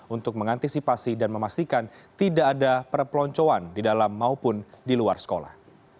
untuk mengantisipasi dan memastikan tidak ada perpeloncoan di dalam maupun di luar sekolah